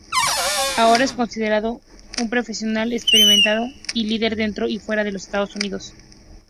Ahora es considerado un profesional experimentado y líder dentro y fuera del Estados Unidos.